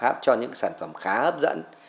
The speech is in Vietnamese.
giải pháp cho những sản phẩm khá hấp dẫn